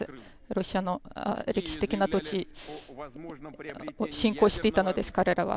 ロシアの歴史的な土地を侵攻していったのです、彼らは。